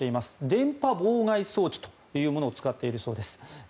電波妨害装置というものを使っているそうです。